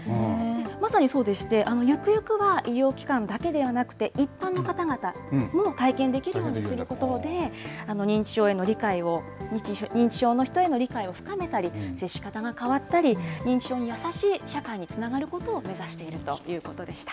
まさにそうでして、ゆくゆくは医療機関だけではなくて、一般の方々にも体験できるようにすることで、認知症への理解を、認知症の人への理解を深めたり、接し方が変わったり、認知症に優しい社会につながることを目指しているということでした。